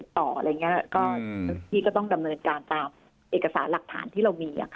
ติดต่ออะไรอย่างนี้ก็ต้องดำเนินการตามเอกสารหลักฐานที่เรามี